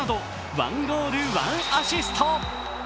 １ゴール・１アシスト。